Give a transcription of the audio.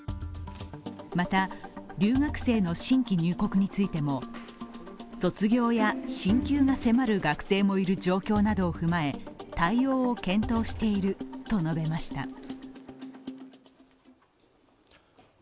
また、留学生の新規入国についても卒業や進級が迫る学生もいる状況などを踏まえ対応を検討していると述べました。